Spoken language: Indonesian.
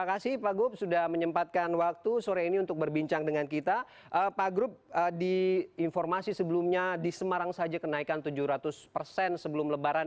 assalamualaikum pak gubernur